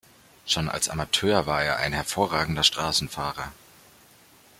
Schon als Amateur war er ein hervorragender Straßenfahrer.